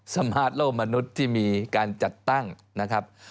สัมภาษณ์โลกมนุษย์ที่มีการจัดตั้งนะครับ